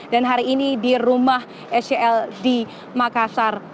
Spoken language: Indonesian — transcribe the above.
dan hari ini di rumah sel di makassar